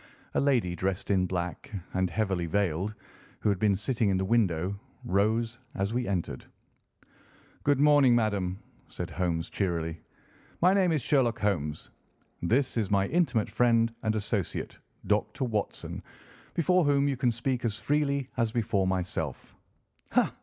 A lady dressed in black and heavily veiled, who had been sitting in the window, rose as we entered. "Good morning, madam," said Holmes cheerily. "My name is Sherlock Holmes. This is my intimate friend and associate, Dr. Watson, before whom you can speak as freely as before myself.